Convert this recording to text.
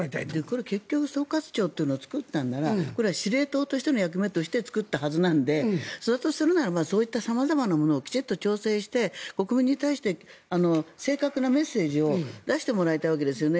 これ、結局総括庁というのを作ったのならこれは司令塔としての役目として作ったはずなのでだとするならそういった様々なものをきちんと調整して国民に対して正確なメッセージを出してもらいたいわけですね。